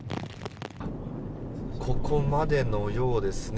ここまでのようですね。